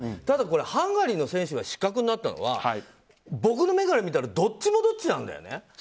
ただ、ハンガリーの選手が失格になったのは僕の目から見たらどっちもどっちなんだよね。